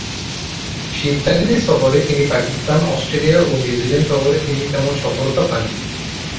শীতকালীন এ সফরে তিনি পাকিস্তান, অস্ট্রেলিয়া ও নিউজিল্যান্ড সফরে তিনি তেমন সফলতা পাননি।